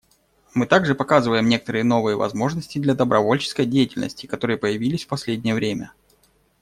Мы также показываем некоторые новые возможности для добровольческой деятельности, которые появились в последнее время.